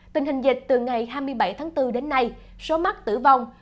tình hình dịch từ ngày hai mươi bảy tháng bốn đến nay số mắc tử vong